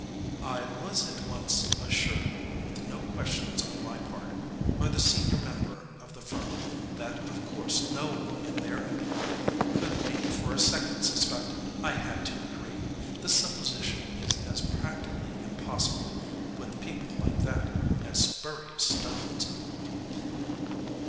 "I was at once assured, with no questions on my part, by the senior member of the firm, that of course no one in their employ could be for a sec ond suspected. I had to agree. The supposition is as practically impossible, with people like that, as spurious stones."